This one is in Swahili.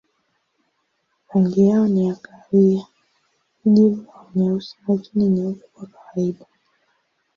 Rangi yao ni kahawia, kijivu au nyeusi na chini nyeupe kwa kawaida.